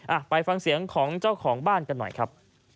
อ่ะไปฟังเสียงของเจ้าของบ้านกันหน่อยครับ